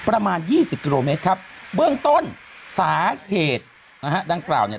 ประมาณยี่สิบกิโลเมตรครับเบื้องต้นสาเหตุนะฮะดังกล่าวเนี่ย